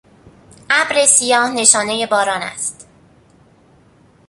ابر سیاه نشانهی باران است.